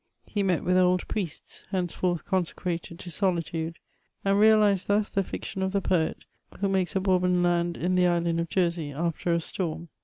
He met with old priests, henceforth consecrated to solitude ; and realised thus the Action of the poet, who makes a Bourbon land in the island of Jersey after a storm.